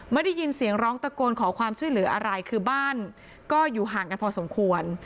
ไม่ได้ยินเสียงร้องตะโกนขอความช่วยเหลืออะไรคือบ้านก็อยู่ห่างกันพอสมควร